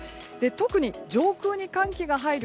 特に上空に寒気が入る